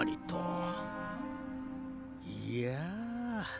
いや。